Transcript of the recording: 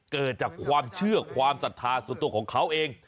เกิดจากความเชื่อความศรัทธาส่วนตัวของเขาเอง